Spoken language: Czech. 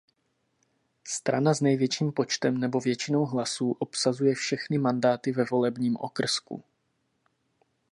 Strana s největším počtem nebo většinou hlasů obsazuje všechny mandáty ve volebním okrsku.